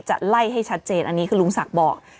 จะไล่ให้ชัดเจนอันนี้คือลุงศักดิ์บอก